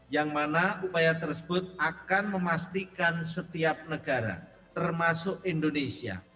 yang mana upaya tersebut akan memastikan setiap negara termasuk indonesia